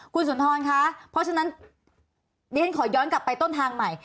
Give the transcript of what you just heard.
คุณสุนทรคะเพราะฉะนั้นเรียนขอย้อนกลับไปต้นทางใหม่